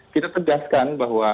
kita tegaskan bahwa